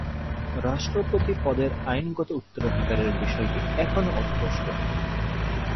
রাষ্ট্রপতি পদের আইনগত উত্তরাধিকারের বিষয়টি এখনো অস্পষ্ট।